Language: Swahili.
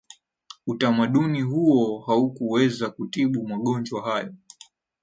utamaduni huo haukuweza kutibu magonjwa hayo